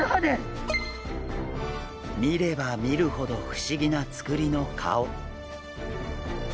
見れば見るほど不思議なつくりの顔。